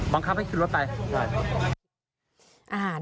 บังคับให้คืนรถไปเช่นแบบนี้